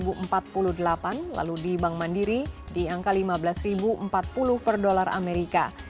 berada di level lima belas empat puluh delapan lalu di bank mandiri di angka lima belas empat puluh per dolar amerika